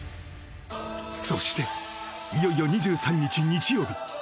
そしていよいよ２３日日曜日